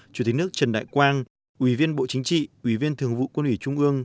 chủ tịch nước trần đại quang ủy viên bộ chính trị ủy viên thường vụ quân ủy trung ương